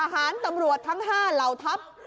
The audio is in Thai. หารตำรวจทั้ง๕เหล่าทัพ